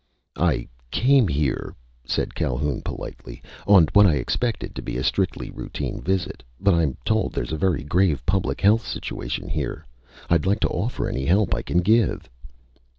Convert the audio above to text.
"I came here," said Calhoun politely, "on what I expected to be a strictly routine visit. But I'm told there's a very grave public health situation here. I'd like to offer any help I can give."